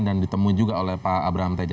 dan ditemui juga oleh pak abraham teja